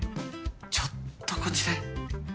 ちょっとこちらへ。